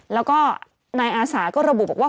แล้วก็นายอาสาก็ระบุบอกว่า